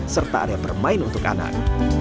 serta area bermain untuk anak